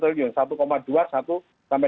satu triliun satu dua sampai